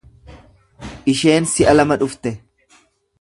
Isheen si'a lama dhufte.